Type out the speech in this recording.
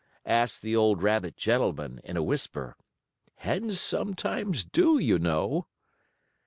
asked the old rabbit gentleman, in a whisper. "Hens sometimes do, you know."